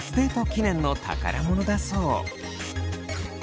記念の宝物だそう。